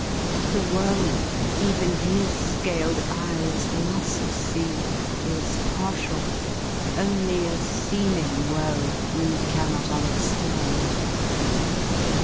The woe. Even His scaled eyes mu^ see, is partial, only A seeming woe, we cannot understand.